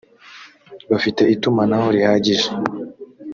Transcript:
bafite itumanaho rihagije